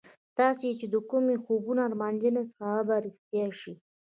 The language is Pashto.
تاسې چې د کومو خوبونو ارمانجن یاست هغه به رښتیا شي